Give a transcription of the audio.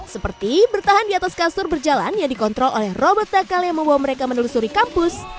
seperti bertahan di atas kasur berjalan yang dikontrol oleh robot takal yang membawa mereka menelusuri kampus